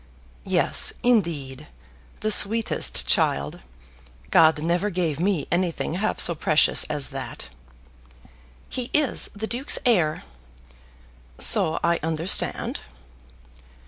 "Yes, indeed. The sweetest child! God never gave me anything half so precious as that." "He is the Duke's heir." "So I understand."